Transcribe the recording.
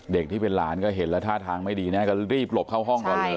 ที่เป็นหลานก็เห็นแล้วท่าทางไม่ดีนะก็รีบหลบเข้าห้องก่อนเลย